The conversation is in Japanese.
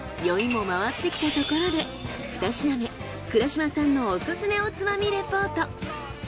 酔いも回ってきたところで２品目倉嶋さんのオススメおつまみレポート。